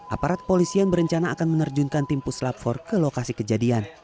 aparat polisian berencana akan menerjunkan tim puslap empat ke lokasi kejadian